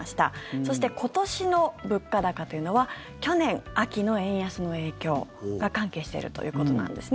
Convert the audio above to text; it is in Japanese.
そして今年の物価高というのは去年秋の円安の影響が関係しているということなんですね。